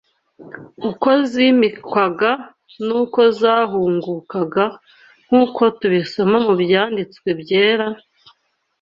uko zimikwaga n’uko zahāngūkaga nk’uko tubisoma mu Byanditswe Byera,